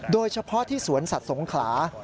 โดยเฉพาะที่สวนสัตว์สงขลา